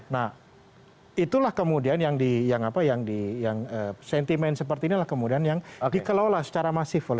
nah itulah kemudian yang sentimen seperti inilah kemudian yang dikelola secara masif